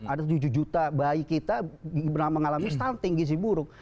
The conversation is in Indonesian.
ada tujuh juta bayi kita mengalami stunting gizi buruk